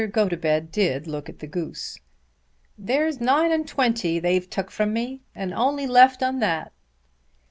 Gotobed did look at the goose. "There's nine and twenty they've tuk from me, and only left un that."